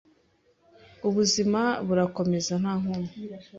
ubuzima burakomeza nta nkomyi